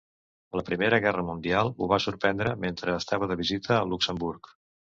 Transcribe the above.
La Primera Guerra Mundial ho va sorprendre mentre estava de visita a Luxemburg.